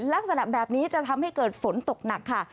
ลักษณะแบบนี้จะทำให้เกิดฝนตกหนักค่ะ